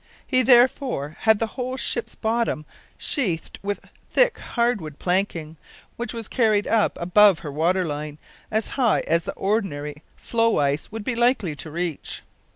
He, therefore, had the whole of the ship's bottom sheathed with thick hardwood planking, which was carried up above her water line, as high as the ordinary floe ice would be likely to reach.